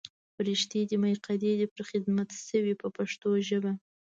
فرښتې دې مقیدې پر خدمت شوې په پښتو ژبه.